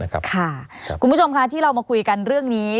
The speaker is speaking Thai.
คุณผู้ชมค่ะที่เรามาคุยกันเรื่องนี้